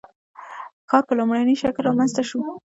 ښکار په لومړني شکل رامنځته شو.